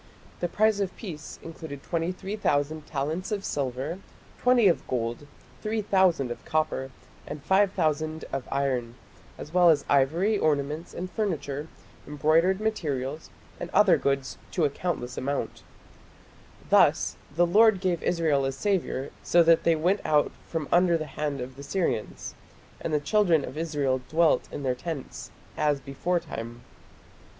The price of peace included 23,000 talents of silver, 20 of gold, 3000 of copper, and 5000 of iron, as well as ivory ornaments and furniture, embroidered materials, and other goods "to a countless amount". Thus "the Lord gave Israel a saviour, so that they went out from under the hand of the Syrians: and the children of Israel dwelt in their tents, as beforetime".